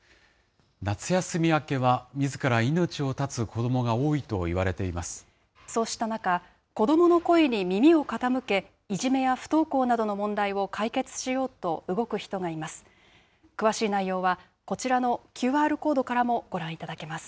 夏休み明けは、みずから命を絶つそうした中、子どもの声に耳を傾け、いじめや不登校などの問題を解決しようと動く人がいます。